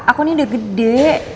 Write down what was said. aku ini udah gede